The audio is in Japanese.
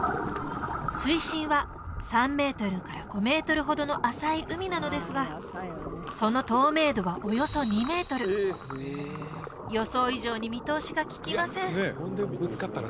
水深は３メートルから５メートルほどの浅い海なのですがその透明度はおよそ２メートル予想以上に見通しがききません